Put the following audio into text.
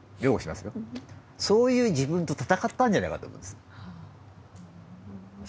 そういう自分とたたかったんじゃないかと思うんです。